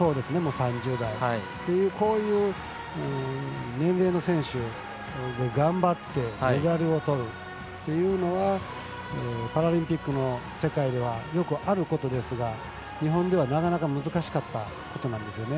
３０代というこういう年齢の選手が頑張ってメダルをとるというのはパラリンピックの世界ではよくあることですが日本ではなかなか難しかったことなんですよね。